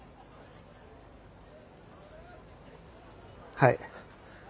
はい。